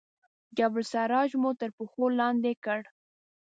جبل السراج مو تر پښو لاندې کړ.